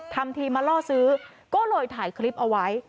ทำทีมาล่อซื้อก็เลยถ่ายคลิปเอาไว้